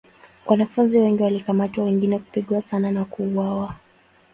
Wanafunzi wengi walikamatwa wengine kupigwa sana na kuuawa.